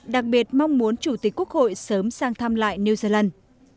đặc biệt mong muốn chủ tịch quốc hội sớm sang thăm lại new zealand